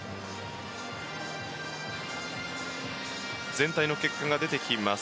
全体の結果が出てきています。